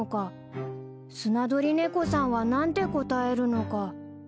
［スナドリネコさんは何て答えるのか］